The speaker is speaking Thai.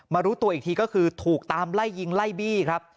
รู้ตัวอีกทีก็คือถูกตามไล่ยิงไล่บี้ครับ